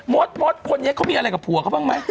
มดมดคนเนี้ยเค้ามีอะไรกับผัวเค้าบ้างไหม